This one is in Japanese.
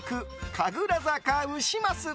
神楽坂牛ます。